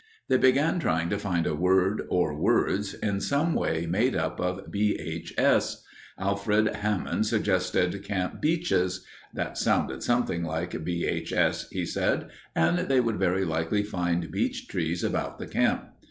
They began trying to find a word or words in some way made up of B. H. S. Alfred Hammond suggested Camp Beeches. That sounded something like B. H. S., he said, and they would very likely find beech trees about the camp.